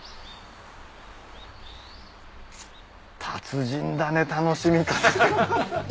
達人だね楽しみ方が。